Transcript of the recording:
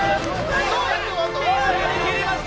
やりきりました！